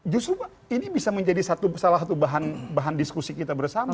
justru ini bisa menjadi salah satu bahan diskusi kita bersama